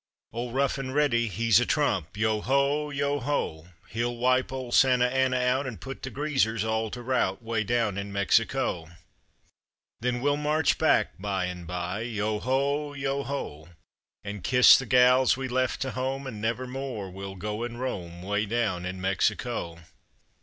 Old Rough and Ready, he's a trump, Yeo ho, yeo ho! He'll wipe old Santa Anna out And put the greasers all to rout, Way down in Mexico. Then we'll march back by and by, Yeo ho, yeo ho! And kiss the gals we left to home And never more we'll go and roam, Way down in Mexico.